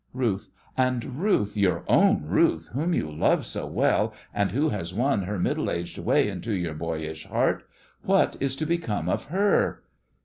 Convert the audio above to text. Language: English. RUTH: And Ruth, your own Ruth, whom you love so well, and who has won her middle aged way into your boyish heart, what is to become of her?